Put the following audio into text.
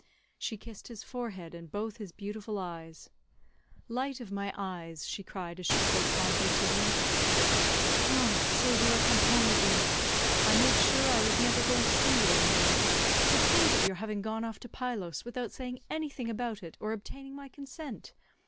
She kissed his forehead and both his beautiful eyes, "Light of my eyes," she cried as she spoke fondly to him, "so you are come home again; I made sure I was never going to see you any more. To think of your having gone off to Pylos without saying anything about it or obtaining my consent.